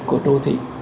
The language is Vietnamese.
của đô thị